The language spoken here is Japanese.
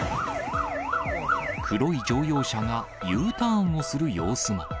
黒い乗用車がＵターンをする様子も。